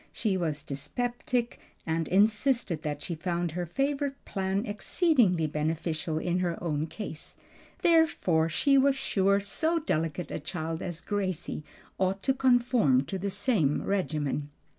She was dyspeptic, and insisted that she found her favorite plan exceedingly beneficial in her own case; therefore she was sure so delicate a child as Gracie ought to conform to the same regimen.